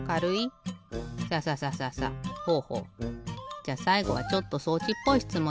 じゃさいごはちょっと装置っぽいしつもん